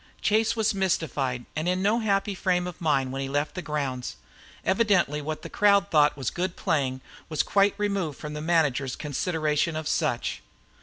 Chase was mystified, and in no happy frame of mind when he left the grounds. Evidently what the crowd thought good playing was quite removed from the manager's consideration of such.